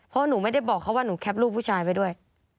เพราะหนูไม่ได้บอกเขาว่าหนูแคปรูปผู้ชายไว้ด้วย